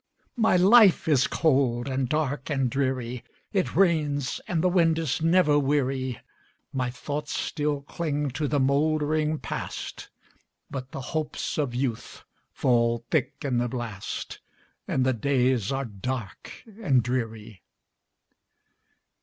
My life is cold, and dark, and dreary; It rains, and the wind is never weary; My thoughts still cling to the mouldering Past, But the hopes of youth fall thick in the blast, And the days are dark and dreary.